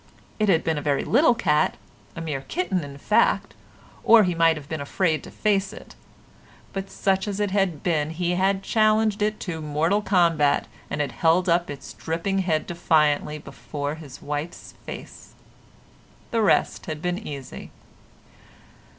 It had been a very little cat, a mere kitten in fact, or he might have been afraid to face it, but such as it had been he had challenged it to mortal combat, and had held up its dripping head defiantly before his wife's face. The rest had been easy.